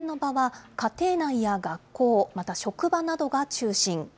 感染の場は家庭内や学校、また職場などが中心。